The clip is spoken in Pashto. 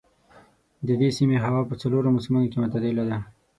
د دې سيمې هوا په څلورو موسمونو کې معتدله ده.